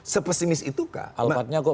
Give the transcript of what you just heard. sepesimis itu kah alphardnya kok